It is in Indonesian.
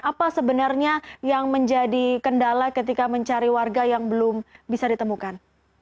apa sebenarnya yang menjadi kendala ketika mencari warga yang belum bisa ditemukan